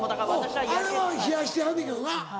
うんあれは冷やしてはんねんけどな。